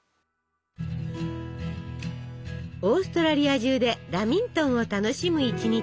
オーストラリア中でラミントンを楽しむ一日。